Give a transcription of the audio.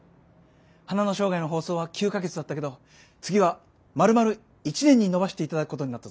「花の生涯」の放送は９か月だったけど次はまるまる１年に延ばしていただくことになったぞ。